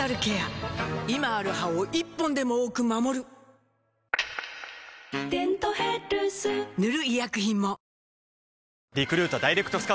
今ある歯を１本でも多く守る「デントヘルス」塗る医薬品も